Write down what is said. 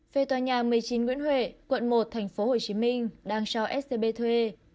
về tòa nhà một mươi chín nguyễn huệ quận một tp hcm đang cho scb thuê